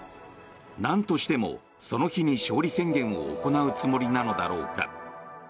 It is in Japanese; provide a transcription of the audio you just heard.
なんとしてもその日に勝利宣言を行うつもりなのだろうか。